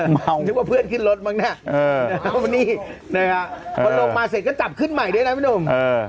เมานึกว่าเพื่อนขึ้นรถมั้งเนี่ยนะฮะพอลงมาเสร็จก็จับขึ้นใหม่ด้วยนะพี่หนุ่ม